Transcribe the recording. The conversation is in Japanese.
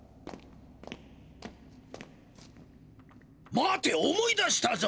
待て思い出したぞ！